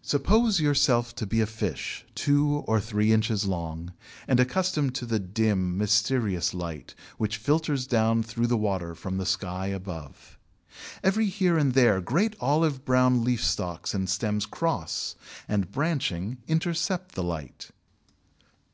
Suppose yourself to be a fish two or three inches long, and accustomed to the dim, mysterious light which filters down through the water from the sky above. Every here and there great olive brown leaf stalks and stems cross and, branching, intercept the light.